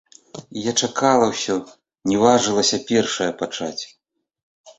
І я чакала ўсё, я не важылася першая пачаць.